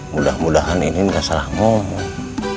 mudah mudahan ini tidak salah ngomong